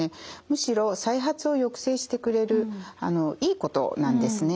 むしろ再発を抑制してくれるいいことなんですね。